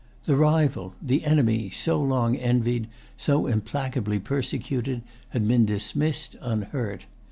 The rival, the enemy, so long envied, so implacably persecuted, had been dismissed unhurt.